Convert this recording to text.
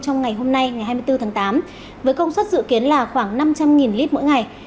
trong ngày hôm nay với công suất dự kiến là khoảng năm trăm linh lít mỗi ngày